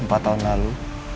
empat tahun lalu